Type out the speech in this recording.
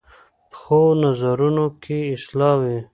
پخو نظرونو کې اصلاح وي